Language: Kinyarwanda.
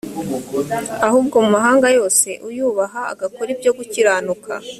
ahubwo mu mahanga yose uyubaha agakora ibyo gukiranuka